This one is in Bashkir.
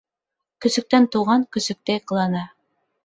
Көсөктән тыуған көсөктәй ҡылана.